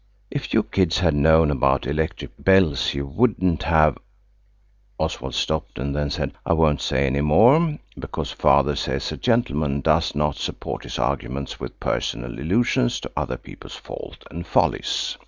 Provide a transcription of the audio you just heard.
If you kids had known about electric bells you wouldn't have–"Oswald stopped, and then said, "I won't say any more, because Father says a gentleman does not support his arguments with personal illusions to other people's faults and follies."